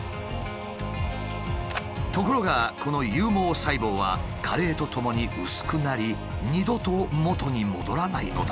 ところがこの有毛細胞は加齢とともに薄くなり二度と元に戻らないのだ。